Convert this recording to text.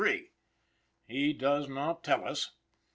He does not tell us.